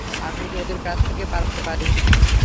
আমি ওদের কাছ থেকে পালাতে পারিনি।